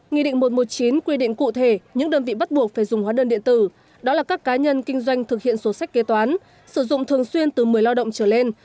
nghị định một trăm một mươi chín quy định cụ thể những đơn vị bắt buộc phải dùng hóa đơn điện tử đó là các cá nhân kinh doanh thực hiện sổ sách kế toán sử dụng thường xuyên từ một mươi lao động trở lên